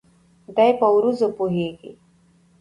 دای په عروضو پوهېده.